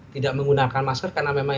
tidak menggunakan masker karena memang